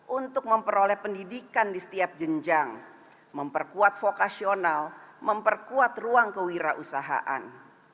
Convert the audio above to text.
untuk memperoleh pendidikan di setiap jenjang memperkuat vokasional memperkuat ruang kewirausahaan